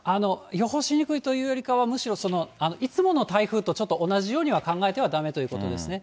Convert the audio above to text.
予報しにくいというよりかは、むしろいつもの台風と同じようには考えてはだめということですね。